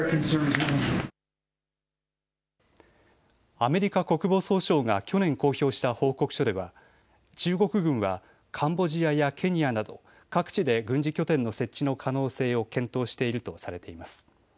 アメリカ国防総省が去年、公表した報告書では中国軍はカンボジアやケニアなど各地で軍事拠点の設置の可能性を検討しているとされています。